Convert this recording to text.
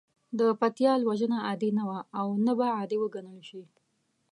د پتيال وژنه عادي نه وه او نه به عادي وګڼل شي.